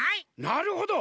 なるほど。